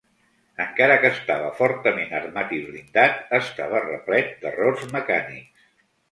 Encara que estava fortament armat i blindat estava replet d'errors mecànics.